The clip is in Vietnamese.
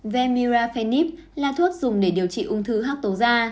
vemurafenib là thuốc dùng để điều trị ung thư hắc tố da